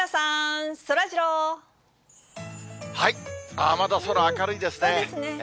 ああ、まだ空、明るいですね。